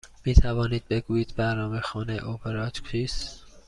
می توانید بگویید برنامه خانه اپرا چیست؟